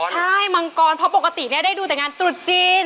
ใช่มังกรเพราะปกติเนี่ยได้ดูแต่งานตรุษจีน